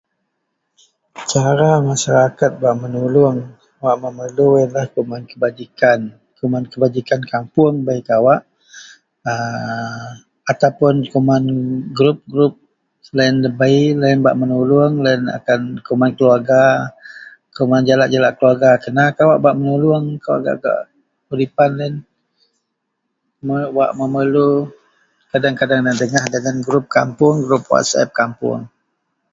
Cara masaraket bak menuluong wak memelu yenlah kuman kebajikan, kuman kebajikan kapuong bei kawak. ..[aaa]…ataupun kuman grup-grup loyen debei loyen bak menuluong loyen akan kuman keluwerga, kuman jalak-jalak keluwerga kena kawak bak menuluong kawak gak-gak udipan loyen. Mun wak memelu kadeng-kadeng nedengah dagen grup kapuong, grup whatsapp kapuong.